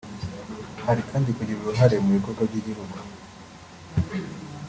Hari kandi kugira uruhare mu bikorwa by’igihugu